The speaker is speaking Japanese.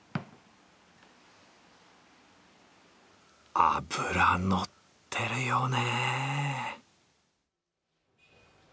脂のってるよね。